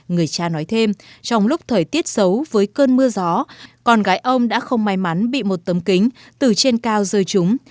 người cha nói thêm trong lúc thời tiết xấu với cơn mưa gió con gái ông đã không may mắn bị một tấm kính từ trên cao rơi trúng